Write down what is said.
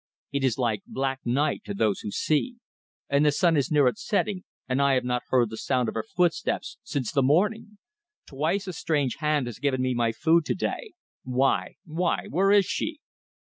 It is like black night to those who see. And the sun is near its setting and I have not heard the sound of her footsteps since the morning! Twice a strange hand has given me my food to day. Why? Why? Where is she?"